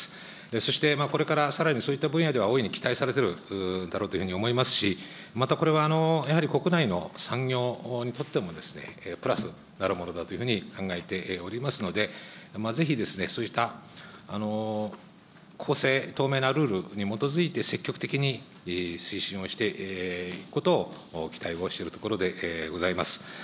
そしてこれからさらにそういった分野では大いに期待されてるだろうというふうに思いますし、またこれは、やはり国内の産業にとっても、プラスになるものだというふうに考えておりますので、ぜひそうした公正、透明なルールに基づいて積極的に推進をしていくことを、期待をしているところでございます。